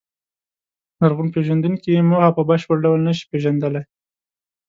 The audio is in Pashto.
لرغونپېژندونکي یې موخه په بشپړ ډول نهشي پېژندلی.